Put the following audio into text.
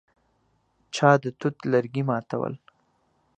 چا د توت لرګي ماتول.